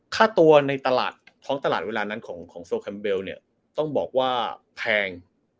ค่าตัวในตลาดเวลานั้นของโซครัมเบลต้องบอกว่าแพง